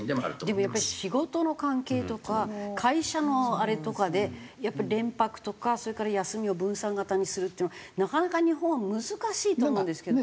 でもやっぱり仕事の関係とか会社のあれとかでやっぱり連泊とかそれから休みを分散型にするっていうのなかなか日本は難しいと思うんですけど。